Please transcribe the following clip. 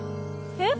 えっ？